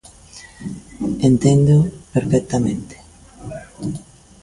Enténdoo perfectamente.